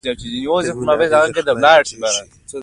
د کازیمیر اغېز خلا انرژي ښيي.